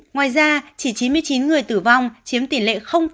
ngoài ra chỉ chín mươi chín người tử vong chiếm tỉ lệ ba